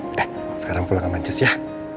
udah sekarang pulang sama cus ya